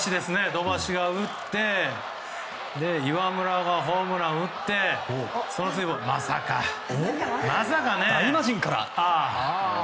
土橋が打って岩村がホームランを打ってその次、まさかね。